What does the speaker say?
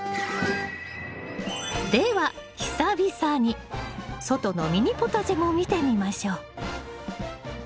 では久々に外のミニポタジェも見てみましょう。